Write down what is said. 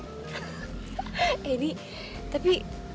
eh ini tapi